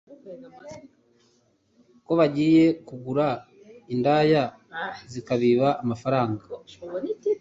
ko bagiye kugura indaya zikabiba amafaranga,